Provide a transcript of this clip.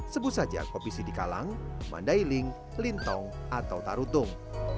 sebut saja kopi sidikalang mandailing lintong atau tarutung